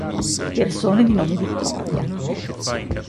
Persone di nome Vittoria